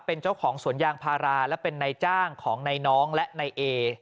เป็นเจ้าของสวนยางพาราและเป็นนายจ้างของนายน้องและนายเอ